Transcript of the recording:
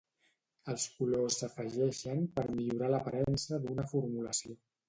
Els colors s'afegeixen per millorar l'aparença d'una formulació.